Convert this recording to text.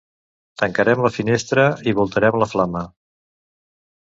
Tancarem la finestra i voltarem la flama.